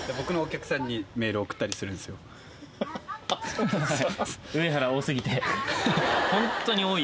そうなんですか。